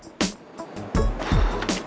atau tanda sikil